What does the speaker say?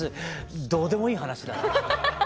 どうでもいい話だな。